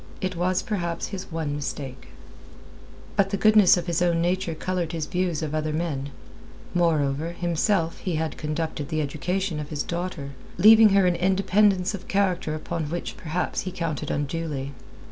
It was perhaps his one mistake. But the goodness of his own nature coloured his views of other men; moreover, himself, he had conducted the education of his daughter, giving her an independence of character upon which perhaps he counted unduly.